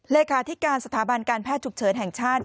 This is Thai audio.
เลขาธิการสถาบันการแพทย์ฉุกเฉินแห่งชาติ